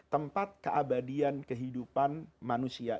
tempat keabadian kehidupan manusia